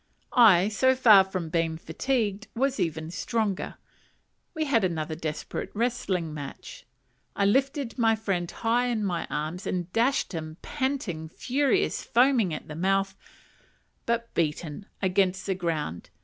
I, so far from being fatigued, was even stronger. We had another desperate wrestling match. I lifted my friend high in my arms, and dashed him, panting, furious, foaming at the mouth but beaten against the ground.